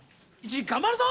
頑張るぞ！